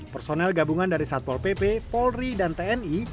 personel gabungan dari satpol pp polri dan tni